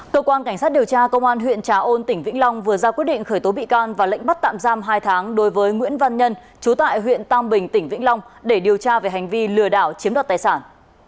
cơ quan cảnh sát điều tra công an huyện trà ôn tỉnh vĩnh long vừa ra quyết định khởi tố bị can và lệnh bắt tạm giam hai tháng đối với nguyễn văn nhân chú tại huyện tam bình tỉnh vĩnh long để điều tra về hành vi lừa đảo chiếm đoạt tài sản